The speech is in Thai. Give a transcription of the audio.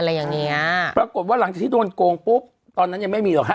อะไรอย่างเงี้ยปรากฏว่าหลังจากที่โดนโกงปุ๊บตอนนั้นยังไม่มีหรอกฮ